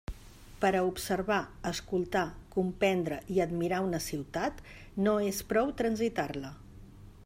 Per a observar, escoltar, comprendre i admirar una ciutat no és prou transitar-la.